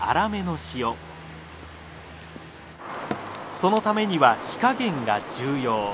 そのためには火加減が重要。